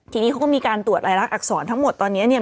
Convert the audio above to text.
ทีนี้เขาก็มีการตรวจรายละอักษรทั้งหมดตอนนี้เนี่ย